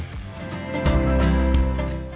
pembangunan rekaman pertama